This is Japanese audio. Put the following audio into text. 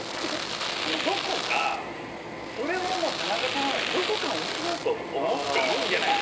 どこかそれをも田中さんはどこか面白いと思っているんじゃないですか？